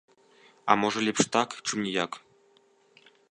А можа лепш так, чым ніяк?